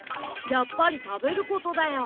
やっぱりたべることだよ。